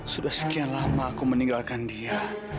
sudah sekian lama aku meninggalkan dia